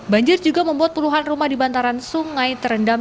banjir juga membuat puluhan rumah di bantaran sungai terendam